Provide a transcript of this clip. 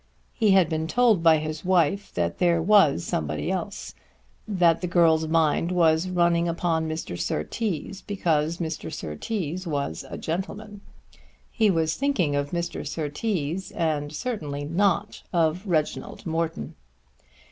He had been told by his wife that there was somebody else; that the girl's mind was running upon Mr. Surtees, because Mr. Surtees was a gentleman. He was thinking of Mr. Surtees, and certainly not of Reginald Morton.